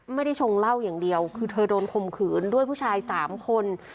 ไม่ได้ชงเหล้าอย่างเดียวคือเธอโดนคมขืนด้วยผู้ชายสามคน